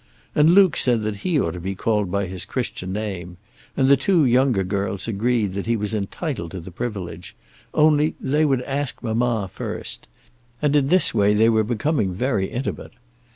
And Luke said that he ought to be called by his Christian name; and the two younger girls agreed that he was entitled to the privilege, only they would ask mamma first; and in this way they were becoming very intimate.